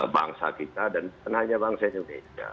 bangsa kita dan hanya bangsa indonesia